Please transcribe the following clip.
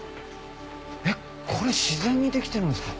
えっこれ自然にできてるんですか？